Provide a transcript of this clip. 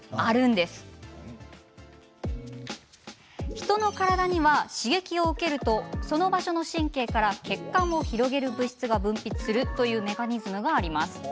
人の体には刺激を受けるとその場所の神経から血管を広げる物質が分泌するというメカニズムがあります。